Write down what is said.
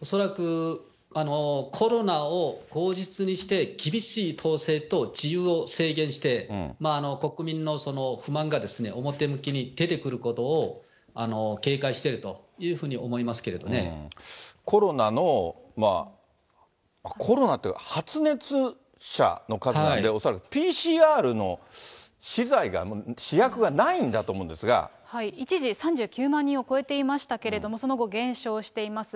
恐らくコロナを口実にして、厳しい統制と自由を制限して、国民の不満が表向きに出てくることを警戒しているというふうに思コロナの、コロナっていうか発熱者の数なんで、恐らくＰＣＲ検査の資材が、一時、３９万人を超えていましたけれども、その後減少しています。